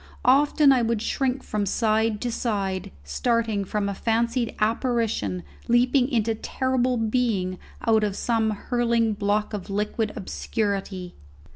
Often would I shrink from side to side, starting from a fancied apparition leaping into terrible being out of some hurling block of liquid obscurity.